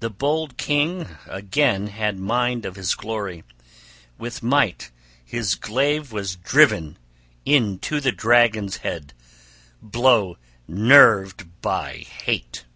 The bold king again had mind of his glory: with might his glaive was driven into the dragon's head, blow nerved by hate.